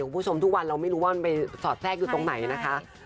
คุณผู้ชมทุกวันเราไม่รู้ว่ามันไปสอดแทรกอยู่ตรงไหนนะคะ